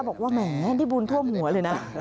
บอกว่าแหมนี่บุญท่วมหัวเลยนะ